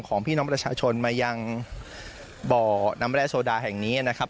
ของพี่น้องประชาชนมายังบ่อน้ำแร่โซดาแห่งนี้นะครับ